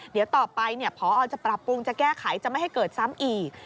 เดี๋ยวต่อไปพอจะปรับปรุงจะแก้ไขจะไม่ให้เกิดซ้ำอีก